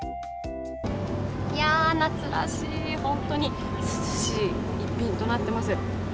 いや、夏らしい、ホントに涼しい一品となっています。